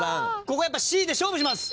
ここやっぱＣで勝負します。